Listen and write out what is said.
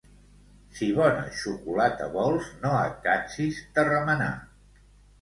Si bona xocolata vols no et cansis de remenar.